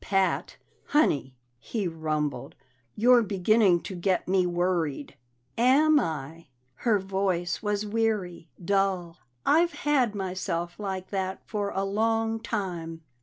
"Pat, Honey," he rumbled, "you're beginning to get me worried!" "Am I?" Her voice was weary, dull. "I've had myself like that for a long time."